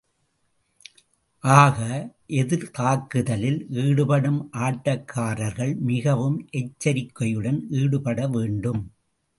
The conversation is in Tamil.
ஆக, எதிர்த்தாக்குதலில் ஈடுபடும் ஆட்டக் காரர்கள் மிகவும் எச்சரிக்கையுடன் ஈடுபட வேண்டும்.